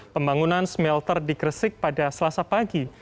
pembangunan smelter di gresik pada selasa pagi